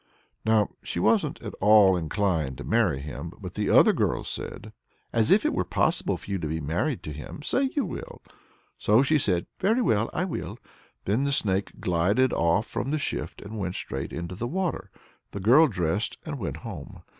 Now she wasn't at all inclined to marry him, but the other girls said: "As if it were possible for you to be married to him! Say you will!" So she said, "Very well, I will." Then the snake glided off from the shift, and went straight into the water. The girl dressed and went home.